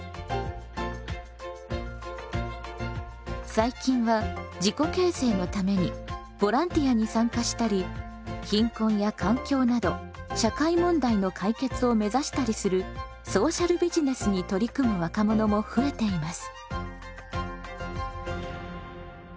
最近は自己形成のためにボランティアに参加したり貧困や環境など社会問題の解決を目指したりするソーシャルビジネスに取り組む若者も増えています。